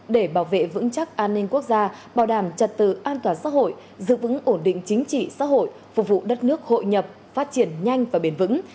để bảo vệ vững chắc an ninh quốc gia bảo đảm trật tự an toàn xã hội giữ vững ổn định chính trị xã hội phục vụ đất nước hội nhập phát triển nhanh và bền vững